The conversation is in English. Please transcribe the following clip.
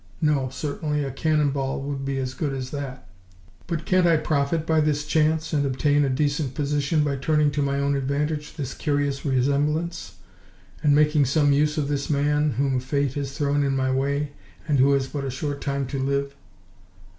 No, certainly a cannon ball would be as good as that. But can't I profit by this chance, and obtain a decent position by turning to my own advantage this curious resemblance, and making some use of this man whom Fate has thrown in my way, and who has but a short time to live?"